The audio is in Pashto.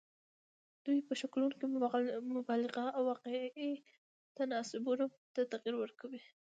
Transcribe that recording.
دوی په شکلونو کې مبالغه او واقعي تناسبونو ته تغیر ورکول.